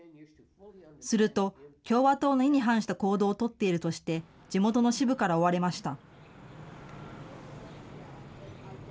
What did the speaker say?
すると、共和党の意に反した行動を取っているとして、地元の支部から追われました。